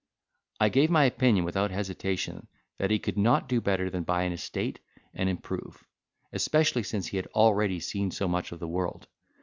I gave my opinion without hesitation, that he could not do better than buy an estate and improve; especially since he had already seen so much of the world.